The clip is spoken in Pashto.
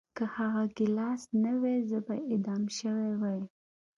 که هغه ګیلاس نه وای زه به اعدام شوی وای